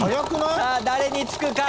さあ誰につくか！？